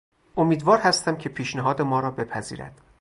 امیدوار هستم که پیشنهاد ما را بپذیرد.